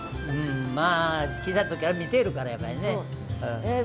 まあ小さい時から見ているからやっぱりね。